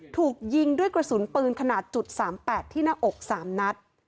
ถูกยิงด้วยกระสุนปืนขนาด๓๘ที่หน้าอก๓นัด